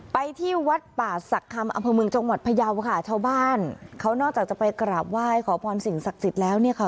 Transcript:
ไปที่วัดป่าสักคำอัมพมึงจังหวัดพยาวค่ะเช้าบ้านเขานอกจากจะไปกราบไหว้ขอปอนสิงห์ศักดิ์สิทธิ์แล้วเนี่ยค่ะ